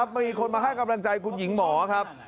มีคนมาให้กำลังใจคุณหญิงหมอครับ